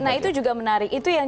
nah itu juga menarik itu yang